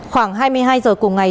khoảng hai mươi hai giờ cùng ngày